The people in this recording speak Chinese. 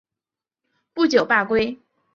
不久罢归。